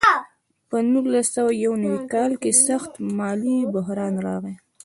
په نولس سوه یو نوي کال کې سخت مالي بحران راغی.